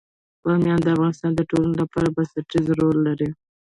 بامیان د افغانستان د ټولنې لپاره بنسټيز رول لري.